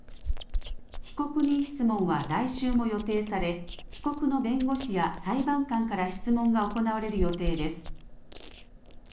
被告人質問は来週も予定され、被告の弁護士や裁判官から質問が行われる予定です。